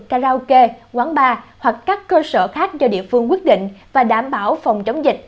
karaoke quán bar hoặc các cơ sở khác do địa phương quyết định và đảm bảo phòng chống dịch